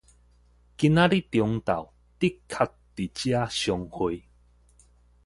今仔日中晝的確佇遮相會